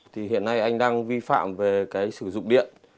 thì hiện nay anh đang vi phạm về cái sử dụng điện